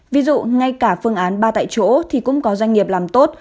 ví dụ ngay cả phương án ba tại chỗ thì cũng có doanh nghiệp làm tốt